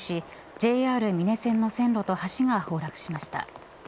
ＪＲ美祢線の線路と橋が崩落しました。